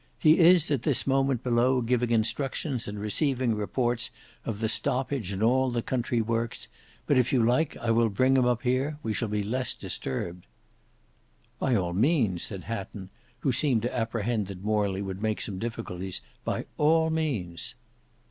He is at this moment below giving instructions and receiving reports of the stoppage of all the country works, but if you like I will bring him up here, we shall be less disturbed." "By all means," said Hatton who seemed to apprehend that Morley would make some difficulties. "By all means."